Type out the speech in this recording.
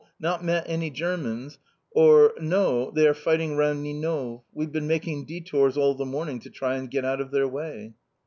Not met any Germans!" or: "They are fighting round Ninove. We've been making détours all the morning to try and get out of their way!"